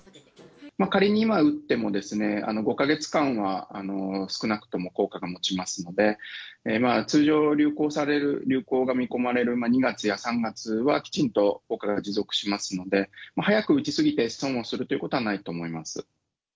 仮に今打ってもですね、５か月間は少なくとも効果がもちますので、通常流行される、流行が見込まれる２月や３月は、きちんと効果が持続しますので、早く打ち過ぎて損をするということはないと思います。